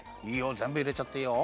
ぜんぶいれちゃっていいよ。